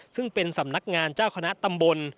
ซึ่งเป็นสำนักงานเจ้าคณะตำบล